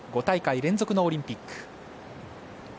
５大会連続のオリンピック。